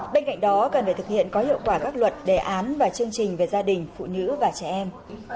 bên cạnh đó cần phải thực hiện có hiệu quả các luật đề án và chương trình về gia đình phụ nữ và trẻ em